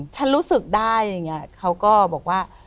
ฉันรู้สึกได้อย่างนี้เขาก็บอกว่า